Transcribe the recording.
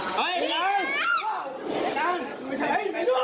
พี่ขอใจเย็น